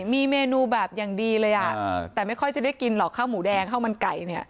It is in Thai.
มีเมนูแบบอย่างดีเลยแต่ไม่ค่อยจะได้กินหรอกข้าวหมูแดงข้าวมันไก่เนี่ย